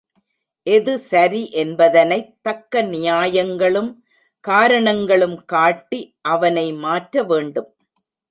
எது சரி என்பதனைத் தக்க நியாயங்களும், காரணங்களும் காட்டி அவனை மாற்ற வேண்டும்.